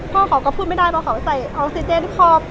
พ่อเขาก็พูดไม่ได้ว่าเขาใส่ออกซิเจนคอบ